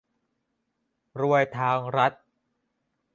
รวยทางรัฐ